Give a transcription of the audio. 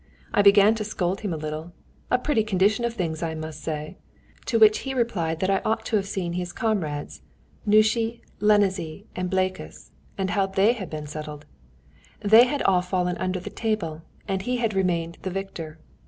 I began to scold him a little, 'A pretty condition of things, I must say!' To which he replied that I ought to have seen his comrades, Nusi, and Lenezi, and Blekus, and how they had been settled. They had all fallen under the table, and he had remained the victor.